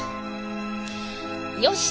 よし！